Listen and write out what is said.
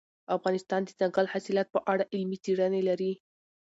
افغانستان د دځنګل حاصلات په اړه علمي څېړنې لري.